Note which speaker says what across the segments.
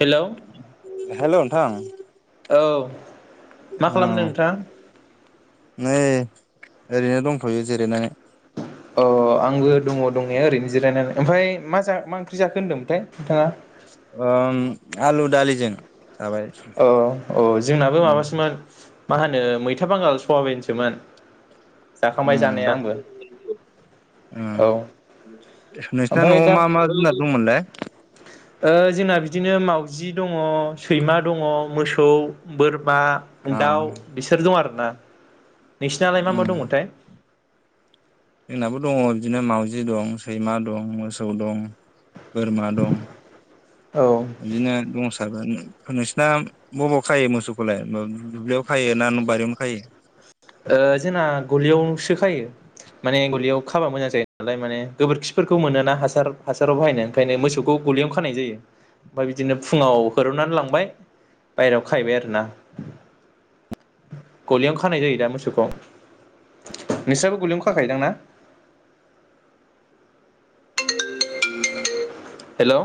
Speaker 1: हेल'
Speaker 2: थां
Speaker 1: औ मा
Speaker 2: अ
Speaker 1: खालामदों नोंथां?
Speaker 2: न ओरैनो दंथ'यो जिराय नानै
Speaker 1: अ आंबो दङ दंनाया ओरैनो जिरायनानै ओमफ्राय मा मा ओंख्रि जाखो होनदोंमोनथाय नोंथाङा
Speaker 2: आ आलु दालिजों जाबाय
Speaker 1: औ औ जोंनाबो
Speaker 2: उम
Speaker 1: माबासोमोन मा होनो मैथा बांगाल सवाबिनसोमोन
Speaker 2: उ
Speaker 1: जाखांबाय जानाया आंबो औ
Speaker 2: नोंसिना
Speaker 1: ओमफ्राय
Speaker 2: न'आव मा मा द रमल
Speaker 1: अ जोंना बिदिनो मावाउजि दङ सैमा दङ मोसौ बोर मा
Speaker 2: अ
Speaker 1: दाउ बिसोर दं आरो ना नोंसिनालाय मा मा
Speaker 2: उम
Speaker 1: दङमोनथाय
Speaker 2: जोंनाबो दङ बिदिनो मावाउजि दं सैमा दं मोसौ दं बोरमा दं
Speaker 1: औ
Speaker 2: बिदिनो दंसाबो होन- नोंसिना बबावयाव खायो मोसौखौलाय दुब्लियाव खायो ना बारियावनो खायो?
Speaker 1: ओ जोंना गलियावसो खायो माने गलियाव खाबा मोजां जायो नालाय माने गोबोरखिफोरखौ मोनोना हासार हासाराव बाहायनो ओंखायनो मोसौखौ गलियावनो खानाय जायो ओमफ्राय बिदिनो फुङाव होरननानै लांबाय बायहेराव खाहैबाय आरोना गलियाव खानाय जायो। मोसौखौ नोंस्राबो गलियावनो खाखायोदां ना? हेल'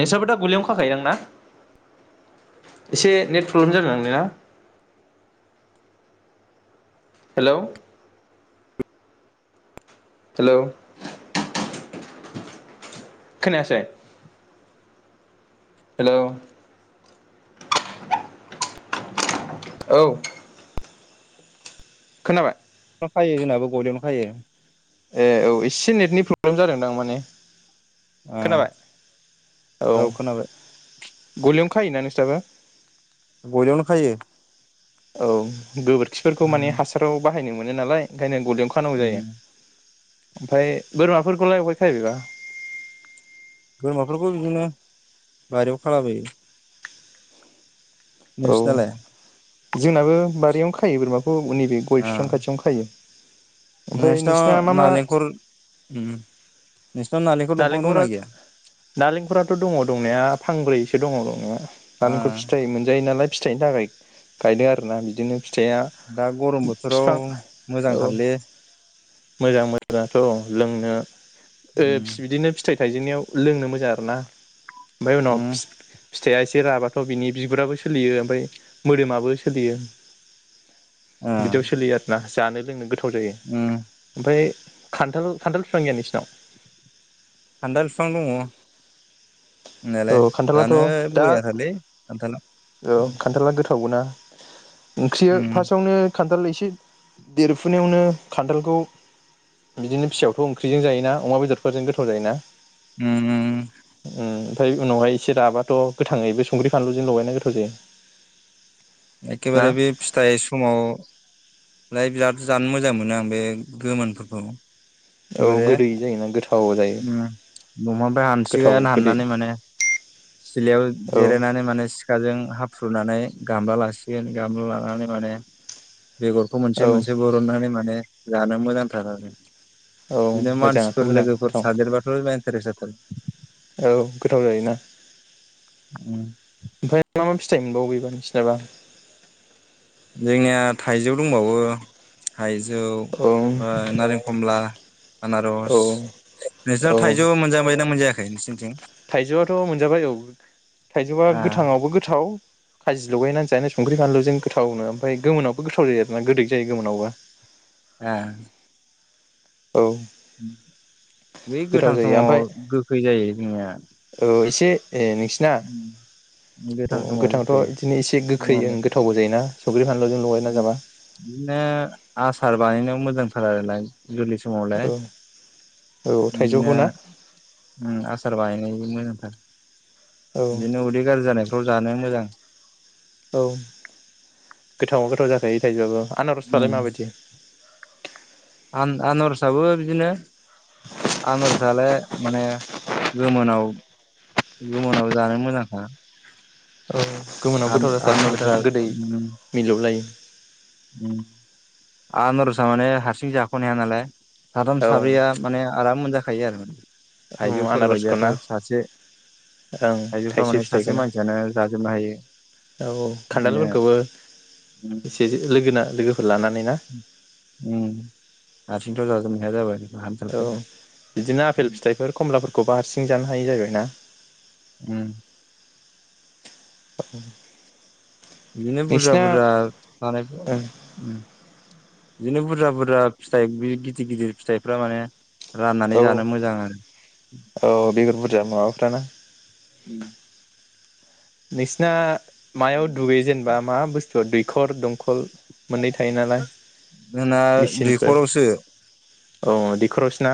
Speaker 1: नोंस्राबो दा गलियावनो खाखायोदां ना? एसे नेट प्रब्लेम जादोंदांलै ना! हेलौ' हेल' खोनायासै? हेल' औ! खोनाबाय
Speaker 2: खायो जोंनाबो गलियावनो खायो।
Speaker 1: ए औ एसे नेटनि प्रब्लेम जादोंदां माने! खोनाबाय
Speaker 2: उम औ खोनाबाय।
Speaker 1: गलियावनो खायोना नोंस्राबो?
Speaker 2: गलियावनो खायो ।
Speaker 1: औ गोबोर खिफोरखौ माने हासाराव बा बाहायनो मोनो नालायओंखायनो गलियावनो खानांगौ जायो।
Speaker 2: उम
Speaker 1: ओमफ्राय बोरमाफोरखौलाय अबावहाय खायो बेबा?
Speaker 2: बोरमाफोरखौ बिदिनो बारियाव खालाबायो।
Speaker 1: औ
Speaker 2: नोंसिनालाय
Speaker 1: जोंनाबो बारियावनो खायो बोरमाखौ नैबे गय बिफां खाथियावनो खायो। ओमफ्राय
Speaker 2: नोंसिना
Speaker 1: मा
Speaker 2: नारेंखल उम नोंसिनाव दंफां
Speaker 1: नालेंखर
Speaker 2: दंना गैया?
Speaker 1: नालेंखराथ' दङ दंनाया! फांब्रैसो दङ दंनाया।
Speaker 2: ओ
Speaker 1: नालेंखर फिथाइ मोनजायो नालाय फिथाइनि थाखाय गायदों आरोना बिदिनो फिथाइया
Speaker 2: दा गरम बोथोराव
Speaker 1: बिफां औ
Speaker 2: मोजांथारलै
Speaker 1: मोजां मोजांथ' औ लोंनो
Speaker 2: उम
Speaker 1: फि बिदिनो फिथाइ थाइजेननायाव लोंनो मोजां आरो ना। ओमफ्राय उनाव
Speaker 2: उम
Speaker 1: फि फि फिथाइया एसे राबाथ' बिनि बिगुराबो सोलियो ओमफ्राय मोदोमाबो सोलियो।
Speaker 2: ओ
Speaker 1: बिदियाव सोलियो आरोना। जानो लोंनो गो थाव जायो
Speaker 2: उम
Speaker 1: ओमफाय खान्थाल खान्थाल बिफां गैया नोंसिनाव?
Speaker 2: खान्थाल फिफां दङ। होननायालाय
Speaker 1: औ खान्थालाथ'
Speaker 2: जानो
Speaker 1: दा
Speaker 2: बयाथारलै खान्थाला उ
Speaker 1: थावबोना ओंख्रियो फास्टआवनो खान्थाल एसे देरफुनायावनो खान्थालखौ बिदिनो फिसायावथ' ओंख्रिजों जायोना अमा बेदरफोरजों गोथाव जायोना?
Speaker 2: उम उम
Speaker 1: ओमफाय उनावहाय एसे राबाथ' गोथाङैबो संख्रि फानलुजों लगायना गोथाव जायो। ना
Speaker 2: एखेबारे बे फिथाइ समाव फ्राय बिराद जानो मोजां मोनो आं बे गोमोनफोरखौ।
Speaker 1: औ
Speaker 2: एखेबारे
Speaker 1: गोदै जायोना गोथाव जायो
Speaker 2: उम दंफांनिफाय
Speaker 1: गोथाव
Speaker 2: हानसिगोन
Speaker 1: गोदै
Speaker 2: हाननानै माने सिलायाव
Speaker 1: औ
Speaker 2: जिरायनानै माने सिखाजों हाब फ्रुनानै गामला लास सिगोन गामला लानानै माने बेगरखौ मोनसे
Speaker 1: औ
Speaker 2: मोनसे बरननानै मा ने जानो मोजांथार आरो।
Speaker 1: औ
Speaker 2: बिदिनो
Speaker 1: मोजाङाथ'
Speaker 2: मानसिफोर
Speaker 1: मोजां
Speaker 2: लोगोफोर
Speaker 1: गोथाव
Speaker 2: थादेरबाथ' इन्टारेस्ट जाथारो।
Speaker 1: औ गोथाव जायोना? ओमफाय मा मा फिथ फिथाइ मोनबावो एबा नोंसिनाबा
Speaker 2: जोंनिया थाइजौ दंबावो थाइज जौ
Speaker 1: औ
Speaker 2: ओ नारें, खमला।
Speaker 1: औ
Speaker 2: आनारस नोंसानाव
Speaker 1: औ
Speaker 2: थाइजौ मोनजा बायना मोनजायाखै? गायनोसै थिं
Speaker 1: थाइजौआथ' मोनजाबाय औ थाइजौआ
Speaker 2: आ
Speaker 1: गोथाङावबो गोथाव खाजि लगायनानै जानो संख्रि फानलुजों गोथावनो ओमफाय गोमोनावबो गोथाव जायो आरोना गोदै जायो गोमोनावबो।
Speaker 2: ओ
Speaker 1: औ
Speaker 2: उम बै
Speaker 1: गोथाव
Speaker 2: गोथां
Speaker 1: जायो
Speaker 2: समाव
Speaker 1: ओमफ्राय
Speaker 2: गोखै जायो जोंनिया
Speaker 1: से ए नोंसिना अ
Speaker 2: गोथां समाव
Speaker 1: गोथांथ'
Speaker 2: गोखै
Speaker 1: इदिनो एसे गोखै गोथावबो जायोना? संख्रि फान
Speaker 2: उम बिनो आसार बानायनायाव मोजांथार आरोलाय गोरलै समावलाय
Speaker 1: औ औ
Speaker 2: बिदिनो
Speaker 1: थाइजौखौ ना
Speaker 2: उम आसार बानायनाय [inaudible] मोजांथार
Speaker 1: औ
Speaker 2: बिदिनो उदै गारजि जानायफ्राव जानो मोजां
Speaker 1: औ गोथावा गोथाव जाखायो थाइजौवाबो आनारजफ्रालाय
Speaker 2: उम
Speaker 1: माबायदि
Speaker 2: आन आनारसआबो बिदिनो आनारसआलाय माने गोमोनाव गोमोनाव जानो मोजांखा
Speaker 1: औ गोमोनाव गोथाव
Speaker 2: आन-आनारसा
Speaker 1: जाथारो [inaudible] गोदै
Speaker 2: उम
Speaker 1: मिलौलायो
Speaker 2: उम आनारसा माने हारसिं जाख'नो हाया नालाय साथाम
Speaker 1: औ
Speaker 2: साब्रैया माने आराम मोनजा खायो आरो माने
Speaker 1: औ आनारसखौ ना
Speaker 2: थायजौफोरबायदियाथ' सासे
Speaker 1: ओं
Speaker 2: थायजौफ्रा
Speaker 1: थाइसे
Speaker 2: माने‌ सासे
Speaker 1: फिथाइखौना
Speaker 2: मानसियानो जाजोबनो हायो
Speaker 1: औ
Speaker 2: बिदिनो
Speaker 1: खान्थालफोरखौबो
Speaker 2: उम
Speaker 1: एसे लोगोना लोगो
Speaker 2: उम उम हारसिंथ' जाजोबनो हाया जाबाय [inaudible]
Speaker 1: औ बिदिनो आपेल फिथाइफोर खमलाफोरखौ बा हारसिं सिं जानो हायो आरोना
Speaker 2: उम
Speaker 1: [inaudible]
Speaker 2: इदिनो बुरजा
Speaker 1: नोंसिना
Speaker 2: बुरजा थानायफ्राव उम बिदिनो बुरजा बुरजा फिथाइ बि गिदिर गिदिर फिथाइफ्रा माने राननानै
Speaker 1: औ
Speaker 2: जानो मोजां आरो
Speaker 1: औ बेगर बुरजा माबाफ्राना नोंसिना मायाव दुगैजेन बा मा बुस्थु दैखर दंखल मोननै थायो नालाय
Speaker 2: जोंना
Speaker 1: मेचिनफोर
Speaker 2: दैखरावसो
Speaker 1: औ दैखरावसोना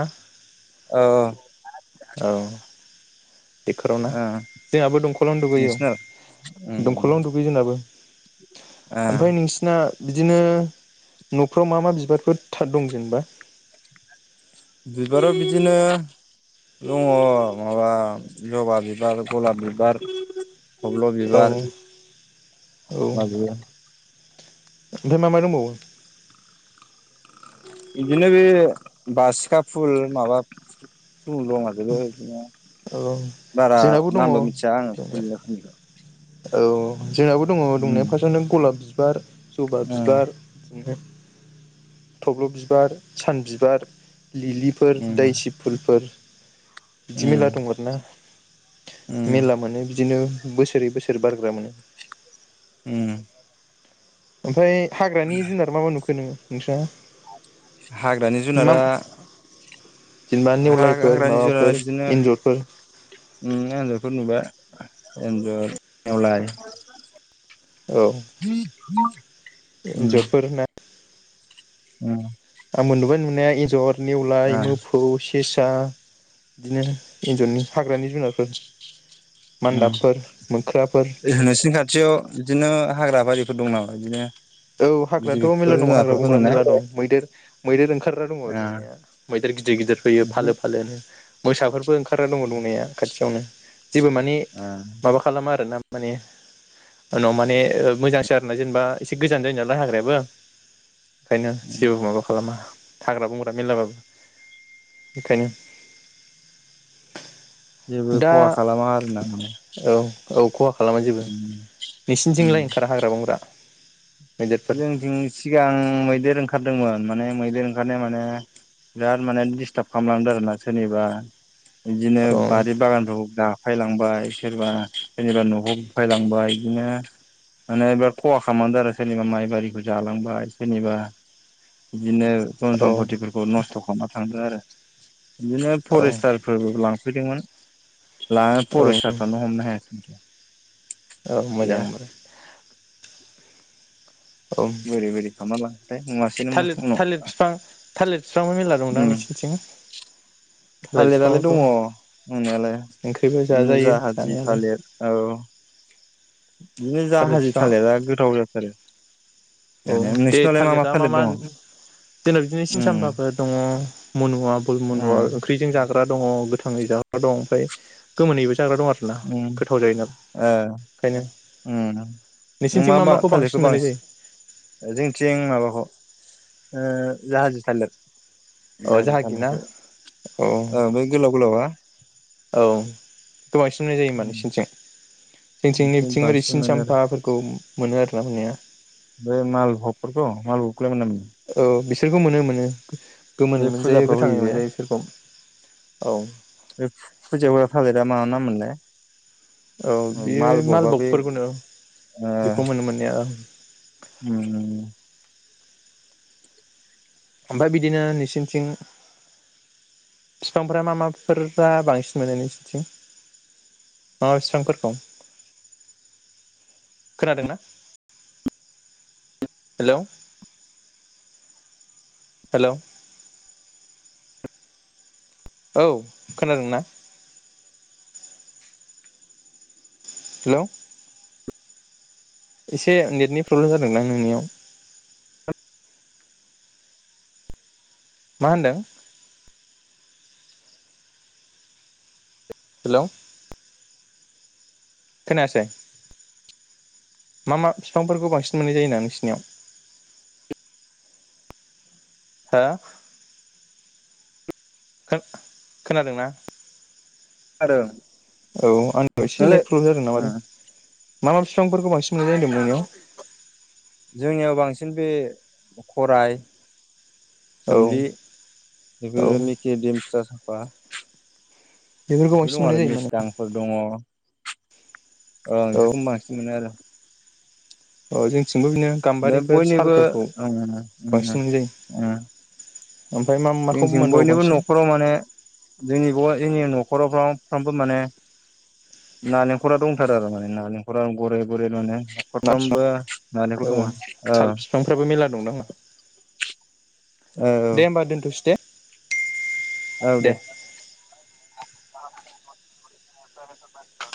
Speaker 2: औ औ
Speaker 1: दैखरावना
Speaker 2: ओ
Speaker 1: जोंहाबो दंखलावनो दुगैयो
Speaker 2: नोंसिना उम
Speaker 1: दंखलावनो दुगैयो जोंनाबो
Speaker 2: ओ
Speaker 1: ओमफ्राय नोंसिना बिदिनो न'फ्राव मा मा बिबारफोर था दं जेनेबा?
Speaker 2: बिबाराव बिदिनो दङ माबा जबा बिबार गलाब बिबार थब्ल'
Speaker 1: औ
Speaker 2: बिबार माबियो
Speaker 1: ओमफाय मा मा दंबावयो?
Speaker 2: इदिनो बे बासिखा फुल माबा [unintelligible] इदिनो
Speaker 1: औ
Speaker 2: बारा
Speaker 1: जोंनाबो दङ
Speaker 2: नामबो मिथिया आङो [unintelligible]
Speaker 1: औ जोंनाबो दङ दंनाया
Speaker 2: उम
Speaker 1: फार्स्टआवनो गलाब बिबार जबा बिबार बिदिनो थब्ल बिबार सान बिबार लिलिफोर दै सिब फुलफोर बिदि मेरला दं आरोना मेरला
Speaker 2: हाग्रानि
Speaker 1: माने बिदिनो बोसोरै बोसो बारग्रा मोनो
Speaker 2: उम
Speaker 1: ओमफ्राय हाग्रानि जुनार मा मा नुखो नोङो नोंस्रा मा
Speaker 2: जुनारा
Speaker 1: जेनेबा निवलायफोर
Speaker 2: हाग्रानि
Speaker 1: माबाफोर इन्जरफोर
Speaker 2: नुनाया एनजरफोर नुबाय एन्जर नेवलाय
Speaker 1: औ
Speaker 2: [inaudible]
Speaker 1: इन्जरफोर ना
Speaker 2: उम
Speaker 1: जर नेवलाय मोफौ सेसा बिदिनो एन्जरनि हाग्रानि जुनारफोर
Speaker 2: उम
Speaker 1: मान्दाबफोर मोख्राफोर
Speaker 2: ओजों नोंसोरनि खाथियाव बिदिनो हाग्रा बारि दं नामा बिदिनो
Speaker 1: औ
Speaker 2: बिदि
Speaker 1: हाग्रायाथ
Speaker 2: बेफोर
Speaker 1: मेरला दङ हाग्रा
Speaker 2: जुनारफोरखौ
Speaker 1: बंग्रा
Speaker 2: नुना
Speaker 1: मेरला दं मैदेर मैदेर ओंखारग्रा दङ दंनाया मैदेर गिदिर गिदिर फैयो फालो फालो नो मोसाफोरबो ओंखार फोरा दङ दंनाया खा खाथियावनो जेबो माने माबा खालामा आरो ना माने उनाव माने मोजांसो आरोना जेनेबा एसे थिग गोजान जायो नालाय हाग्रायाबो ओंखायनो जेबो माबा खालामा हाग्रा बंग्रा मेरलाबाबो बेखायनो
Speaker 2: जेबो
Speaker 1: दा
Speaker 2: खहा खालामा आरो ना
Speaker 1: औ औ खहा खालामा जेबो नोंसिनिथिंलाय ओंखारा हाग्रा बंग्रा? मैदेरफोर
Speaker 2: जोंनिथिं सिगां मैदेर ओंखार माने मैदेर ओंखारनाय माने बिराद माने डिस्टाब खालामलांदों आरो ना सोरनिबा बिदिनो
Speaker 1: औ
Speaker 2: बारि बागानफोरखौ दा सिफाइलांबाय सोरबा सोरनिबा न'खौ सिफाइलांबाय बिदिनो माने बिराद खहा खालामदों आरो सोरनिबा माइबारिखौ जालांबाय सोरनिबा बिदिनो धन
Speaker 1: औ
Speaker 2: सम्पतिफोरखौ नस्थ' खालामाख आरो बिदिनो फरेस्टारफोर लांफ लांफैदोंमोन
Speaker 1: औ
Speaker 2: फरेसटारफ्रानो हमनो हायासै
Speaker 1: औ मोजां
Speaker 2: गैया
Speaker 1: मोनो
Speaker 2: [inaudible]
Speaker 1: थालिर थालिर बिफां
Speaker 2: [inaudible]
Speaker 1: थालिर बिफांबो मेरला दंदां
Speaker 2: उम
Speaker 1: नोंसिनिथिं थालिर
Speaker 2: थालिरालाय दङ
Speaker 1: बिफांखौ
Speaker 2: दंनायालाय
Speaker 1: ओंख्रिबो
Speaker 2: बिदिनो
Speaker 1: जाजायो
Speaker 2: जाहादि
Speaker 1: जानायालाय
Speaker 2: थालिर औ बिदिनो
Speaker 1: थालिर
Speaker 2: जाहादि
Speaker 1: बिफाङा
Speaker 2: थालिरा गोथाव जाथारो
Speaker 1: औ
Speaker 2: जानाया
Speaker 1: दे
Speaker 2: नोंसिनावलाय
Speaker 1: थालिरया आ मा
Speaker 2: थालिर
Speaker 1: मा
Speaker 2: दङ
Speaker 1: दिनाव बिदिनो सिन
Speaker 2: उम
Speaker 1: सामबाबो दङ मनुआ
Speaker 2: उम
Speaker 1: ओंख्रिजों जाग्रा दङ गोथाङै जाग्रा दं ओमफ्राय गोमोनैबो जाग्रा दं आरोना
Speaker 2: उम
Speaker 1: गोथाव जायोनालाइ
Speaker 2: ओ
Speaker 1: ओंखायनो
Speaker 2: उम नों
Speaker 1: नोंसिनिथिं मा
Speaker 2: बा
Speaker 1: माखौ
Speaker 2: थालिरखौ
Speaker 1: बांसिन मोननाय जायो?
Speaker 2: जोंथिं माबाखौ ओ जाहाजि थालेर
Speaker 1: अ
Speaker 2: जाहाजि
Speaker 1: जाहागि ना
Speaker 2: थालेखौ
Speaker 1: औ
Speaker 2: ओ बेै गोलाव गोलावा [inaudible]
Speaker 1: औ थ बांसिन मोननाय जायो होनबा नोंसिनिथिं जोंथिं
Speaker 2: उम
Speaker 1: नैबिथिं ओरै
Speaker 2: बांसिन
Speaker 1: सिन
Speaker 2: मोनो आरो
Speaker 1: साम्फाफोरखौ मोनो आरो खालामनाया
Speaker 2: बे माल भखफोरखौ माल खौ लाय मोना नामा?
Speaker 1: बेफोरखौ मोनो मोनो गोमोनै
Speaker 2: बे
Speaker 1: मोनजायो
Speaker 2: फुजाफ्राव
Speaker 1: गोथाङै
Speaker 2: होयोजे
Speaker 1: मोनजायो बिसोरखौ औ
Speaker 2: बे फुजायाव होग्रा थालेर रा मा नाममोनलाय?
Speaker 1: औ बेयो मालबगफोरखौनो
Speaker 2: ओ
Speaker 1: बेखौ मोनो मोननाया
Speaker 2: उम उम
Speaker 1: ओमफ्राय बिदिनो नोंसिनिथिं फिफांफोरा मा माफोरा बांसिन मोनो नोंसोरनिथिं मा मा फिफांफोर दं खोनादोंना हेलौ? हेलौ औ खोनादोंना? हेलौ एसे नेटनि प्रब्लेम जादोंदां नोंनियाव मा होनदों? हेलौ खोनायासै मा मा फिफांफोरखौ बांसिन मोननाय जायोहोनदां नोंसिनियाव? हो? खो खोनादोंना?
Speaker 2: आरो
Speaker 1: औ आंनियाव एसे
Speaker 2: नोंलाय
Speaker 1: नेट प्रब्लेम जादों
Speaker 2: ओ
Speaker 1: नामाथाय? मा मा फिफांफोरखौ बांसिन नुनाय जायो होनदोंमोलाय नोंनियाव?
Speaker 2: जोंनियाव बांसिन बे खराय सोमलि
Speaker 1: नोंनियाव औ
Speaker 2: बेफोर मिखिर दिम बा
Speaker 1: बेफोरखौ बांसिन मोननाय जायोमोन
Speaker 2: दङ औ
Speaker 1: औ
Speaker 2: बिफोरखौ बांसिन मोनो आरो
Speaker 1: औ जोंनिथिं
Speaker 2: बे बयनिबो उम उम
Speaker 1: बांसिन मोननाय
Speaker 2: उम
Speaker 1: जायो ओमफ्राय मा माखौ
Speaker 2: जोंनिथिं
Speaker 1: मोनबावो
Speaker 2: बयनिबो
Speaker 1: बांसिन
Speaker 2: न'खराव माने जोंनि जोंनि न'खरावफ्राव फफ्रामबो माने नालेंखरा दंथारो आरो माने नालेंखरा गरै गरै माने
Speaker 1: ना बिफां
Speaker 2: न'खरफ्रामबो
Speaker 1: औ साल बिफांफ्राबो मेरला दंदां दे होमबा दोनथ'सै दे
Speaker 2: औ दे [unintelligible]